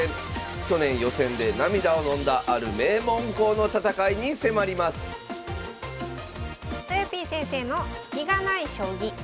去年予選で涙をのんだある名門校の戦いに迫りますとよぴー先生の「スキがない将棋」。